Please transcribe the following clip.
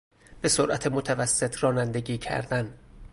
به سرعت متوسط رانندگی کردن